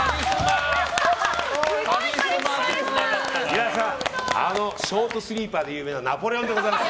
皆さん、ショートスリーパーで有名なナポレオンでございます。